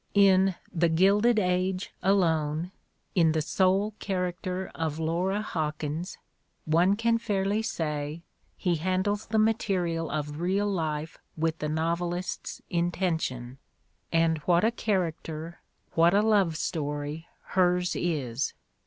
In "The Gilded Age" alone, in the sole "character of Laura Hawkins, one can fairly say, he handles the material of real life with the novelist's intention, and what a character, what a love story, hers is!